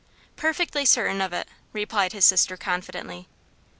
"Perfectly certain of it," replied his sister confidently.